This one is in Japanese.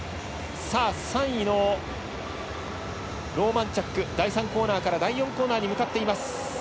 ３位のローマンチャック第３コーナーから第４コーナーに向かっています。